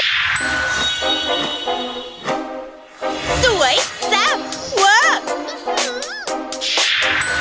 สวยแซ่บเวอร์